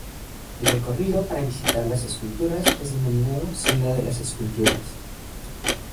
El recorrido para visitar las esculturas es denominado "Senda de las Esculturas".